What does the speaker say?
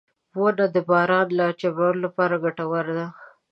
• ونه د باران راجلبولو لپاره ګټوره ده.